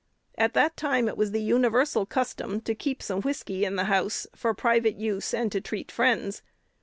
At that time it was the universal custom to keep some whiskey in the house, for private use and to treat friends.